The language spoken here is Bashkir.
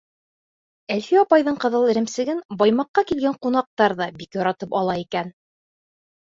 Әлфиә апайҙың ҡыҙыл эремсеген Баймаҡҡа килгән ҡунаҡтар ҙа бик яратып ала икән.